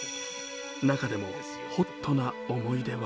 中でもＨＯＴな思い出は